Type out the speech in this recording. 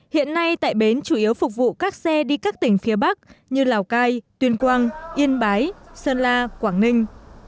hiện nay tại bến chủ yếu phục vụ các xe đi các tỉnh phía bắc như lào cai tuyên quang yên bái sơn la quảng ninh